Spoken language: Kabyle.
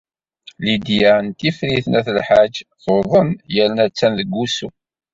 Lidya n Tifrit n At Lḥaǧ tuḍen yerna attan deg wusu.